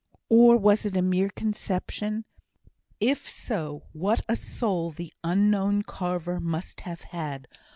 Or was it a mere conception? If so, what a soul the unknown carver must have had!